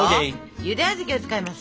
ゆで小豆を使います。